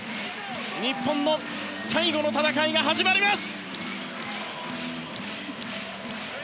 日本の最後の戦いが始まります！